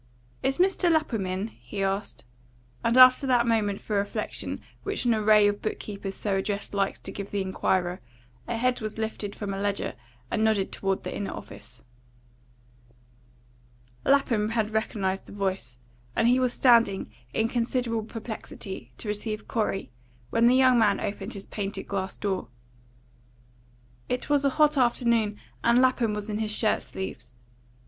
"Is Mr. Lapham in?" he asked; and after that moment for reflection which an array of book keepers so addressed likes to give the inquirer, a head was lifted from a ledger and nodded toward the inner office. Lapham had recognised the voice, and he was standing, in considerable perplexity, to receive Corey, when the young man opened his painted glass door. It was a hot afternoon, and Lapham was in his shirt sleeves.